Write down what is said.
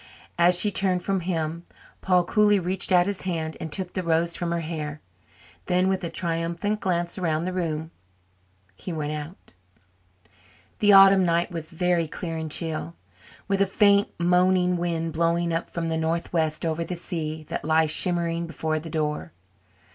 As she turned from him, Paul coolly reached out his hand and took the rose from her hair; then, with a triumphant glance around the room, he went out. The autumn night was very clear and chill, with a faint, moaning wind blowing up from the northwest over the sea that lay shimmering before the door.